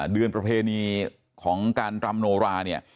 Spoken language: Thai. ประเพณีของการรำโนราเนี่ย